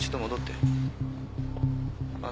ああ。